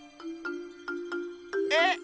えっ？